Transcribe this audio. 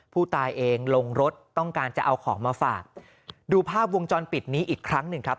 ผู้ตายเองลงรถต้องการจะเอาของมาฝากดูภาพวงจรปิดนี้อีกครั้งหนึ่งครับ